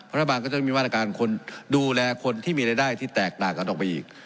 รัฐบาลก็จะมีมาตรการคนดูแลคนที่มีรายได้ที่แตกต่างกันออกไปอีก